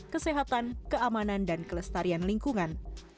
kesehatan keamanan dan kelestarian lingkungan